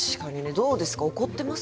どうですか怒ってます？